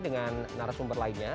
dengan narasumber lainnya